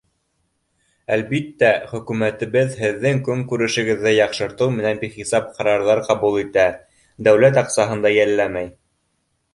Әлбиттә, Хөкүмәтебеҙ һеҙҙең көнкүрешегеҙҙе яҡшыртыу менән бихисап ҡарарҙар ҡабул итә, дәүләт аҡсаһын да йәлләмәй.